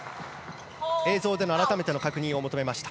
映像での改めての確認を求めました。